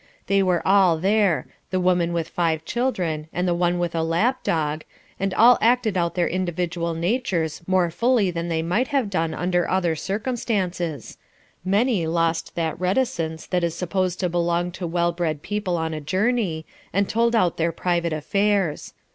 They were all there, the woman with five children and the one with a lap dog, and all acted out their individual natures more fully than they might have done under other circumstances; many lost that reticence that is supposed to belong to well bred people on a journey, and told out their private affairs.